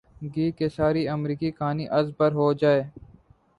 گی کہ ساری امریکی کہانی از بر ہو جائے۔